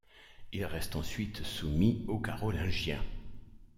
Il reste ensuite soumis aux Carolingiens.